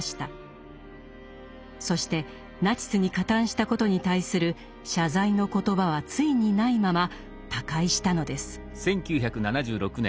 そしてナチスに加担したことに対する謝罪の言葉はついにないまま他界したのです。